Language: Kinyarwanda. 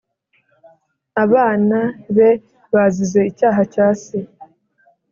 abana be bazize icyaha cya se